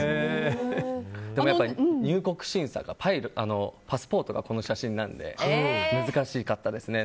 でも入国審査が、パスポートがこの写真なので難しかったですね。